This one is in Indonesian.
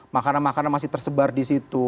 makanan makanan masih tersebar disitu